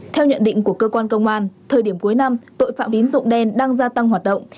theo nhận định của cơ quan công an thời điểm cuối năm tội phạm tín dụng đen đang gia tăng hoạt động